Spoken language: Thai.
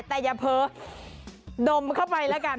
แต่อย่าเผลอดมเข้าไปแล้วกัน